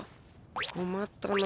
こまったな。